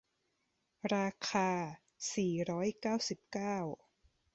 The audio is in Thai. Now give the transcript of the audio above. ราคา สี่ร้อยเก้าสิบเก้า